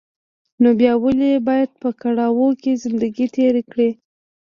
نو بيا ولې بايد په کړاوو کې زندګي تېره کړې.